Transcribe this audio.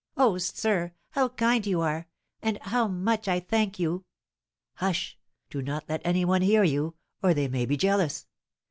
"Ah, sir, how kind you are, and how much I thank you!" "Hush! Do not let any one hear you, or they may be jealous.